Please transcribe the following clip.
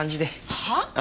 はあ？